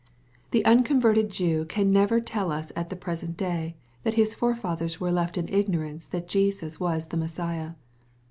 The unconverted Jew can never tell us ^ the present day, that his forefathers were left in ignorance that Jesus was the Messiah.